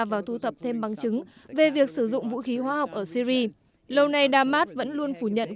và thu thập thêm bằng chứng về việc sử dụng vũ khí hoa học ở syri lâu nay đa mát vẫn luôn phủ nhận